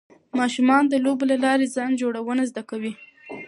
ماشومان د لوبو له لارې ځان جوړونه زده کوي.